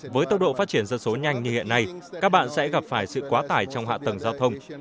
với tốc độ phát triển dân số nhanh như hiện nay các bạn sẽ gặp phải sự quá tải trong hạ tầng giao thông